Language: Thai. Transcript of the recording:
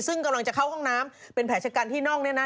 ซึ่งกำลังจะเข้าห้องน้ำเป็นแผลชะกันที่น่องเนี่ยนะ